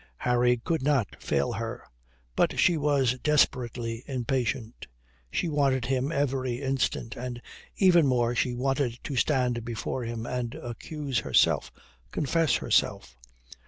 Harry could not fail her. But she was desperately impatient. She wanted him every instant, and even more she wanted to stand before him and accuse herself, confess herself.